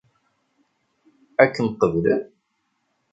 Ad kem-qeblen?